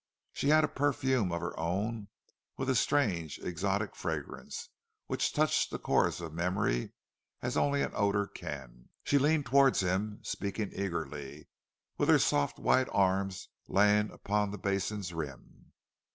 She had a perfume of her own, with a strange exotic fragrance which touched the chorus of memory as only an odour can. She leaned towards him, speaking eagerly, with her soft white arms lying upon the basin's rim.